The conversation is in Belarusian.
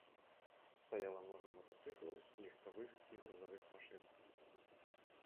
Стаяла многа матацыклаў, легкавых і грузавых машын.